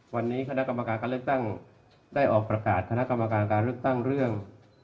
วันนี้คณะกรรมการการเลือกตั้งได้ออกประกาศคณะกรรมการการเลือกตั้งเรื่อง